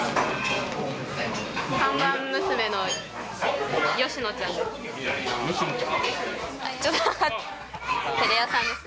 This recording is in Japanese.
看板娘のよしのちゃんです。